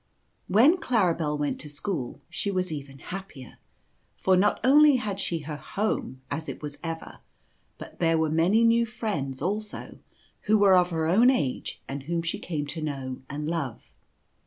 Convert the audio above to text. When Claribel went to school, she was even happier, for not only had she her home'as it was ever, but there were many new friends also who were of her own age and whom she came to know and love.